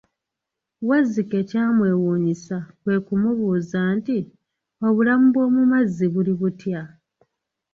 Wazzike kyamwewunyisa kwe kumubuuza nti, obulamu bw'omumazzi buli butya?